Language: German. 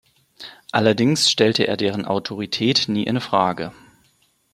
Allerdings stellte er deren Autorität nie in Frage.